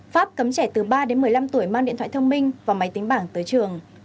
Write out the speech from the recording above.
pháp cấm trẻ từ ba đến một mươi năm tuổi mang điện thoại thông minh và máy tính bảng tới trường